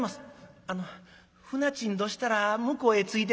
「あの舟賃どしたら向こうへ着いてから」。